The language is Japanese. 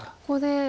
ここで。